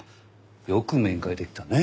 よく面会できたねえ。